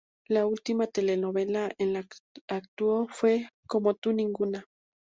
La última telenovela en la que actuó fue "Como tú ninguna".